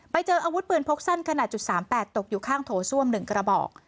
ไปเจออาวุธปืนพกสั้นขนาดจุดสามแปดตกอยู่ข้างโถส้วมหนึ่งกระบอก